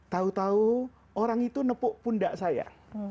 tahu tahu orang itu nepuk pundak saya